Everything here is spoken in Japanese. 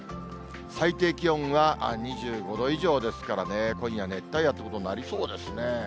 最低気温は２５度以上ですからね、今夜、熱帯夜ということになりそうですね。